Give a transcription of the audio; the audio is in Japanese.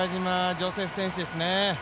ジョセフ選手ですね。